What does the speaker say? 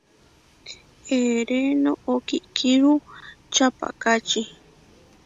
Eʼeré noʼó kiʼkíru čapahkáči.